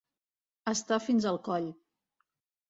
Estar fins al coll.